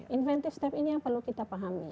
inventive step ini yang perlu kita pahami